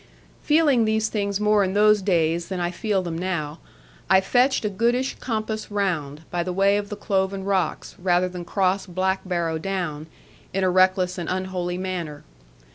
Feeling these things more in those days than I feel them now, I fetched a goodish compass round, by the way of the cloven rocks, rather than cross Black Barrow Down, in a reckless and unholy manner.